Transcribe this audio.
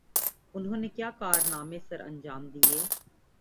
انہوں نے کیا کارنامے سرانجام دئیے؟